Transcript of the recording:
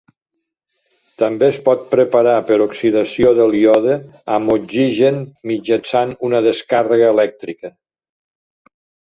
També es pot preparar per oxidació del iode amb oxigen mitjançant una descàrrega elèctrica.